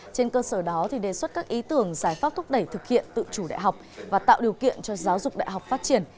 trên cơ sở đó thì đề xuất các ý tưởng giải pháp thúc đẩy thực hiện tự chủ đại học và tạo điều kiện cho giáo dục đại học phát triển